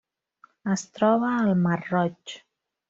Es troba al Mar Roig.